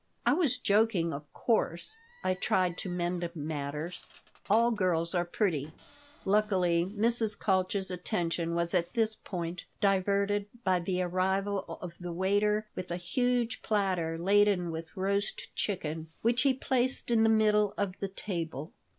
"I was joking, of course," I tried to mend matters. "All girls are pretty." Luckily Mrs. Kalch's attention was at this point diverted by the arrival of the waiter with a huge platter laden with roast chicken, which he placed in the middle of the table.